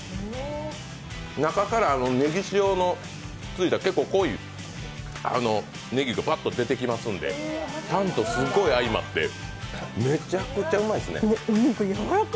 中から、ねぎ塩のついた結構濃いねぎがバッと出てきますので、タンと相まってめちゃくちゃうまいですね。